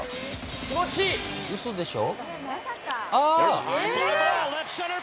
うそでしょ。